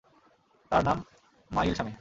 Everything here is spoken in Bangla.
তার নাম মায়িলসামি।